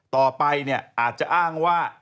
ต่อไปเนี่ยอาจจะอ้างว่า